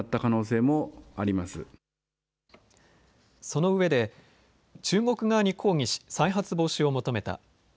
そのうえで中国側に抗議し再発防止を求めた。